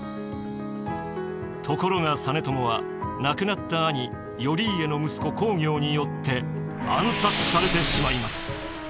ところが実朝は亡くなった兄頼家の息子公暁によって暗殺されてしまいます。